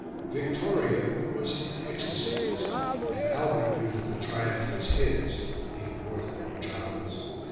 Victoria was in ecstasies; and Albert knew that the triumph was his even more than Lord John's.